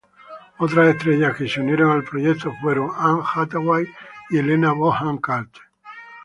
Otras estrellas que se unieron al proyecto fueron Anne Hathaway y Helena Bonham Carter.